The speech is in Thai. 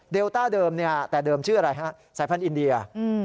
เดลต้าเดิมแต่เดิมชื่ออะไรฮะสายพันธุ์อินเดีย